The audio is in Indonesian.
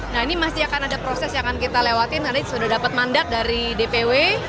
nah ini masih akan ada proses yang akan kita lewatin nanti sudah dapat mandat dari dpw